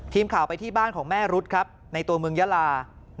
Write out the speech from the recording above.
ทีมข่าวไปที่บ้านของแม่รุ๊ดครับในตัวเมืองยาลา